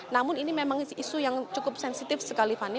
namun ini memang isu yang cukup sensitif sekali fani